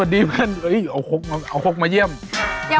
อย่าคุยกับผู้ผู้ชมตามให้ก่อน